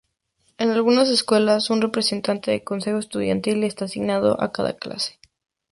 En algunas escuelas, un representante de consejo estudiantil está asignado a cada clase.